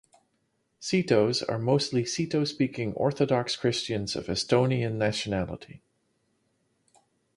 Setos are mostly Seto-speaking Orthodox Christians of Estonian nationality.